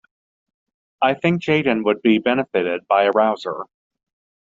I think Jayden would be benefited by a rouser.